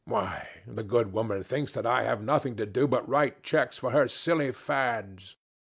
Why, the good woman thinks that I have nothing to do but to write cheques for her silly fads."